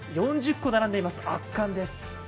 ４０個並んでいます、圧巻です。